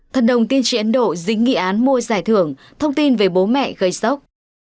thần đồng tiên tri ấn độ dính nghị án mua giải thưởng thông tin về bố mẹ gây sốc